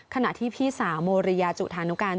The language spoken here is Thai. ขณะที่พี่สาวโมริยาจุธานุการ